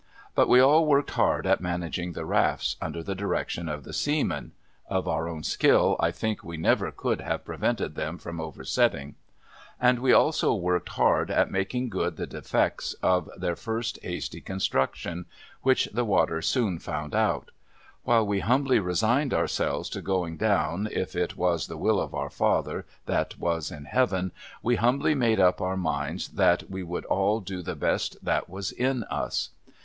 But, we all worked hard at managing the rafts, under the direction of the seamen (of our own skill, I think we never could have prevented them from oversetting), and we also worked hard at making good the defects in their first hasty construction — which the water soon found out. While we humbly resigned ourselves to going down, if it was the will of Our Father that was in Heaven, we humbly made up our minds, that we would all do the best that was in us.